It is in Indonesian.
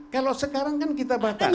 kalau sekarang kan kita batasi